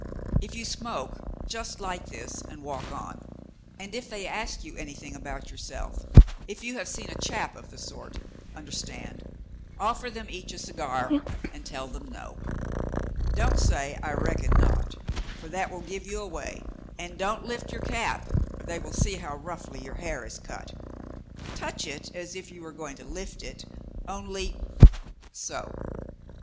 If you smoke, just light this and walk on, and if they ask you anything about yourself, if you have seen a chap of the sort, understand, offer them each a cigar, and tell them no. Don't say *I reckon not,' for that will give you away, and don't lift your cap, or they will see how roughly your hair is cut. Touch it as if you were going to lift it, only — so.